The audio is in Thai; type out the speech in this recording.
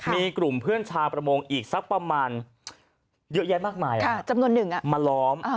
มีกลุ่มเพื่อนชาประมงอีกสักประมาณเยอะแยะมากมายมาล้อม